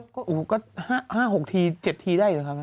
ถ้าเขาก้าวอยู่ก็๕๖ที๗ทีได้เหรอครับ